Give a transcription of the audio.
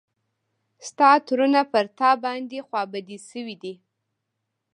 ستا ترونه پر تا باندې خوا بدي شوي دي.